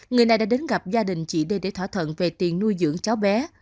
người này đã đến gặp gia đình chị đê để thỏa thuận về tiền nuôi dưỡng cháu bé